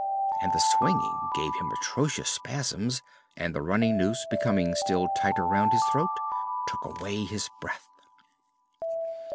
And the swinging gave him atrocious spasms, and the running noose, becoming still tighter round his throat, took away his breath.